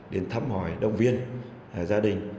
đến thăm hỏi động viên gia đình